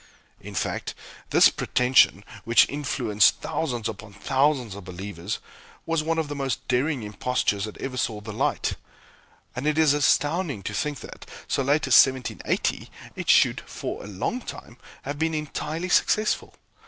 In fact, this pretension, which influenced thousands upon thousands of believers, was one of the most daring impostures that ever saw the light; and it is astounding to think that, so late as 1780, it should, for a long time, have been entirely successful.